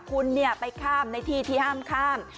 คุณไปข้ามในที่ที่ห้ามข้าม